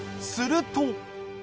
すると。